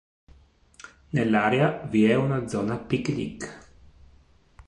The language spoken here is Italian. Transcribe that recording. Nell'area vi è una zona pic nic.